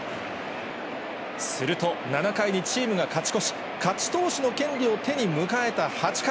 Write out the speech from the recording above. すると７回にチームが勝ち越し、勝ち投手の権利を手に迎えた８回。